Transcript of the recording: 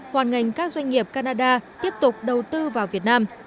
hoàn ngành các doanh nghiệp canada tiếp tục đầu tư vào việt nam